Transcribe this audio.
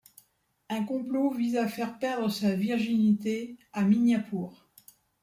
Un complot vise à faire perdre sa virginité à Mignapour.